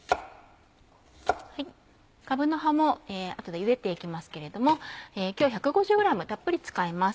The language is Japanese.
かぶの葉も後でゆでていきますけれども今日１５０ｇたっぷり使います。